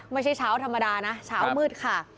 ไม่ใช่เช้าธรรมดานะเช้ามืดค่ะ